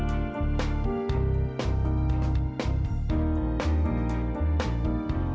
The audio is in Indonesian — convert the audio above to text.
iya korban enggak saya temukan dulu